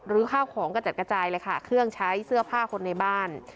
ข้าวของกระจัดกระจายเลยค่ะเครื่องใช้เสื้อผ้าคนในบ้าน